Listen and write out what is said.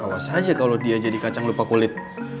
awas aja kalau dia jadi kacang lupa kulit